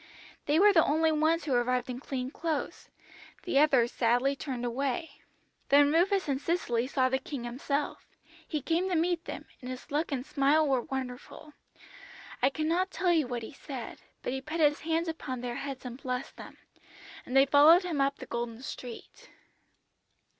They were the only ones who arrived in clean clothes. The others sadly turned away. Then Rufus and Cicely saw the King Himself. He came to meet them, and His look and smile was wonderful. I cannot tell you what He said, but He put His hands upon their heads and blessed them, and they followed Him up the golden street."